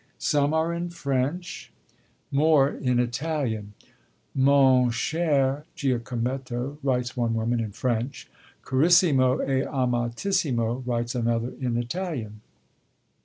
Some are in French, more in Italian. Mon cher Giacometto, writes one woman, in French; Carissimo e Amatissimo, writes another, in Italian.